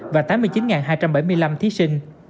và tám mươi chín hai trăm bảy mươi năm thí sinh